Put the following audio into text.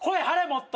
もっと。